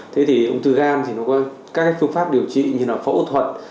thế thì ung thư gan thì nó có các phương pháp điều trị như là phẫu thuật